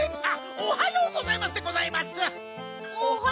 おはようございます。